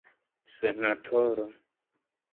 senatoro